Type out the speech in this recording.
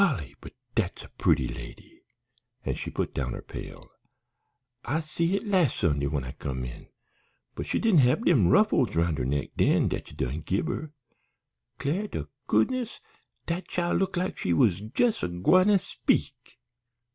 Golly, but dat's a purty lady!" and she put down her pail. "I see it las' Sunday when I come in, but she didn't had dem ruffles 'round her neck den dat you done gib her. 'Clar' to goodness, dat chile look like she was jes' a gwine to speak."